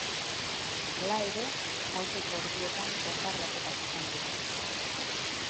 Hala ere, aurreko orduetan bonbardaketak izan dira.